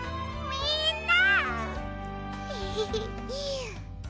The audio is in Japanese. みんな！